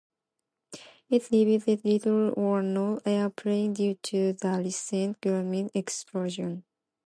It received little or no airplay due to the recent Grunge explosion.